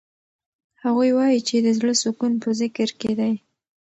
هغوی وایي چې د زړه سکون په ذکر کې دی.